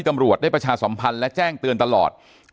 อย่างที่บอกไปว่าเรายังยึดในเรื่องของข้อ